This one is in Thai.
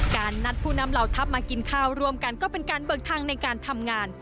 การนัดผู้นำเหล่าทัพมากินข้าวร่วมกันก็เป็นการเบิกทางในการทำงาน